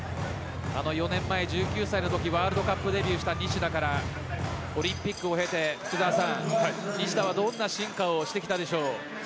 ４年前、１９歳のときワールドカップデビューした西田からオリンピックを経て西田はどんな進化をしてきたでしょう？